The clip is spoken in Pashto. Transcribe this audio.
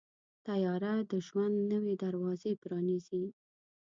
طیاره د ژوند نوې دروازې پرانیزي.